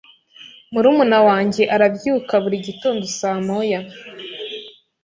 Murumuna wanjye arabyuka buri gitondo saa moya.